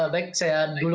baik saya dulu